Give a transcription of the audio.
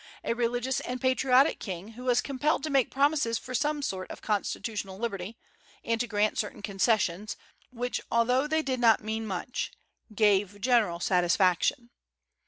a religious and patriotic king, who was compelled to make promises for some sort of constitutional liberty, and to grant certain concessions, which although they did not mean much gave general satisfaction.